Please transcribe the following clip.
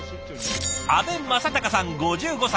阿部昌隆さん５５歳。